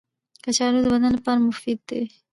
کچالو د بدن لپاره مفید دي